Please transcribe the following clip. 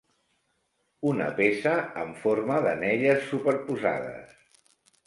Una peça en forma d'anelles superposades.